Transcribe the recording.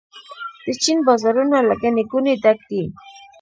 د چین بازارونه له ګڼې ګوڼې ډک دي.